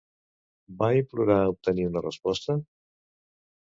Va implorar obtenir una resposta?